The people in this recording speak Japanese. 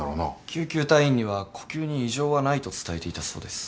救急隊員には呼吸に異常はないと伝えていたそうです。